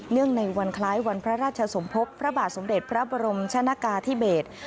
ในวันคล้ายวันพระราชสมภพพระบาทสมเด็จพระบรมชนะกาธิเบศ